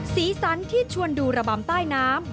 สีสันที่ชวนดูระบำใต้น้ำ